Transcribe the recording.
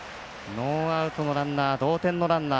ノーアウトのランナー同点のランナー。